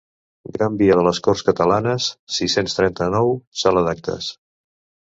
Gran Via de les Corts Catalanes, sis-cents trenta-nou, sala d'actes.